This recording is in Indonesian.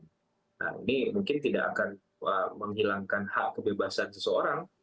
nah ini mungkin tidak akan menghilangkan hak kebebasan seseorang